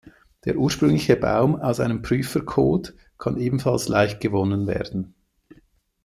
Der ursprüngliche Baum aus einem Prüfer-Code kann ebenfalls leicht gewonnen werden.